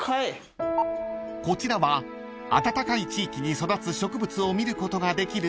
［こちらは暖かい地域に育つ植物を見ることができる］